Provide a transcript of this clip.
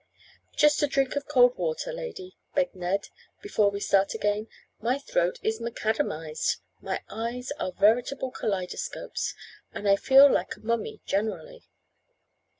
"Just a drink of cold water, lady," begged Ned, "before we start again. My throat is macadamized, my eyes are veritable kaleidoscopes, and I feel like a mummy generally."